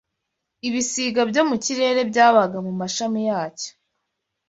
ibisiga byo mu kirere byabaga mu mashami yacyo